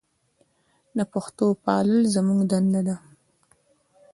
د پښتو پالل زموږ دنده ده.